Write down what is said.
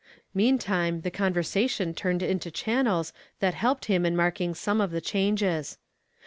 Meantime the conversation turned into channels that helped him in marking some of the changes.